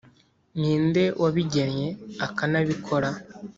Ni nde wabigennye, akanabikora,